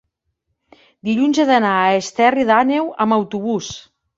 dilluns he d'anar a Esterri d'Àneu amb autobús.